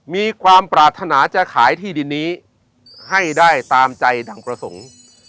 มีความปรารถนาจะขายที่ดินนี้ให้ได้ตามใจดั่งประสงค์